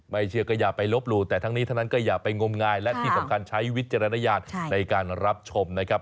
เชื่อก็อย่าไปลบหลู่แต่ทั้งนี้ทั้งนั้นก็อย่าไปงมงายและที่สำคัญใช้วิจารณญาณในการรับชมนะครับ